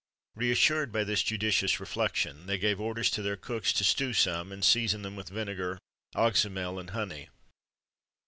Re assured by this judicious reflection, they gave orders to their cooks to stew some,[XXIII 119] and season them with vinegar, oxymel, and honey.